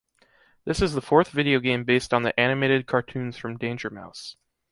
This is the fourth videogame based on the animated cartoons from Danger Mouse.